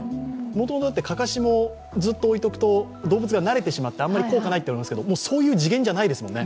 かかしもずっと置いておくと、動物が慣れてしまってあまり効果がないって言いますけど、そういう次元じゃないですよね。